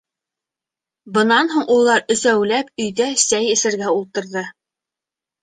Бынан һуң улар өсәүләп өйҙә сәй эсергә ултырҙы.